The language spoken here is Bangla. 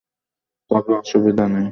তবে অসুবিধা নেই।